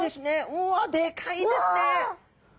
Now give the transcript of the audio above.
うわでかいですね。